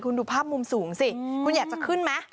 คุณดูภาพมุมสูงสิคุณอยากจะขึ้นไหม